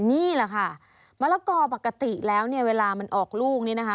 นี่แหละค่ะมะละกอปกติแล้วเนี่ยเวลามันออกลูกนี่นะคะ